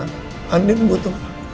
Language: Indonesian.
angin butuh aku